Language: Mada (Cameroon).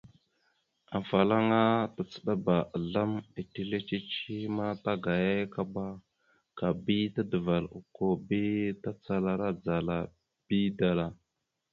Afalaŋana tacəɗabá azlam etellé cici ma tagayayakaba ka bi tadaval okko bi tacalara dzala bi dala.